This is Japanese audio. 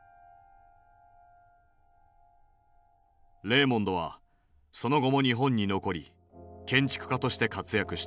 レーモンドはその後も日本に残り建築家として活躍した。